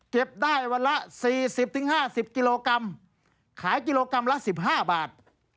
เก็บได้วันละสี่สิบถึงห้าสิบกิโลกรัมขายกิโลกรัมละสิบห้าบาท